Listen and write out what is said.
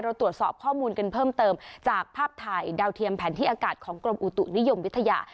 เราตรวจสอบข้อมูลกันเพิ่มเติมจากภาพถ่ายดาวเทียมแผนที่อากาศของกรมอุตุนิยมวิทยา